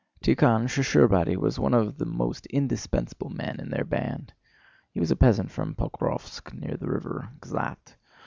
Tíkhon Shcherbáty was one of the most indispensable men in their band. He was a peasant from Pokróvsk, near the river Gzhat.